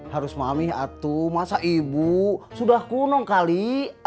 harus mami atuh masa ibu sudah kuno kali